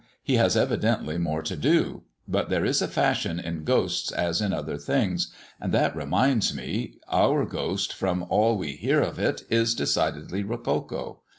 He has evidently more to do; but there is a fashion in ghosts as in other things, and that reminds me our ghost, from all we hear of it, is decidedly rococo.